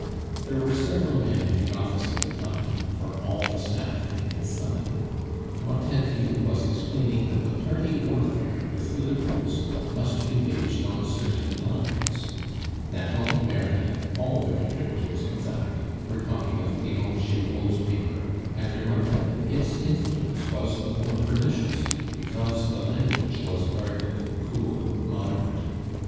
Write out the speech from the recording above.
There were several men in the office at the time, for all the staff had been summoned; Martainville was explaining that the party warfare with the Liberals must be waged on certain lines. Nathan, Merlin, all the contributors, in fact, were talking of Leon Giraud's paper, and remarking that its influence was the more pernicious because the language was guarded, cool, moderate.